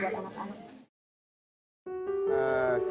baik banget buat anak anak